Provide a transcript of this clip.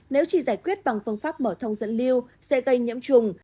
nếu chỉ giải quyết bằng phương pháp mở thông dẫn lưu sẽ gây nhiễm trùng